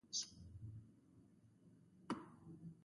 سیخ بندي د کانکریټو د درزونو مخه نیسي